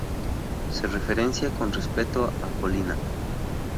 Se referencia con respecto a Colina.